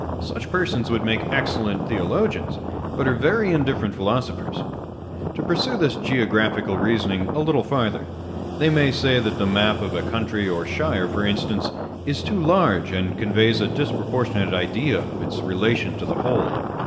Such persons would make excellent theologians, but are very indifferent philosophers. To pursue this geographical reasoning a little farther. â€" They may say that the map of a country or shire, for instance, is too large, and conveys a disproportionate idea of its relation to the whole.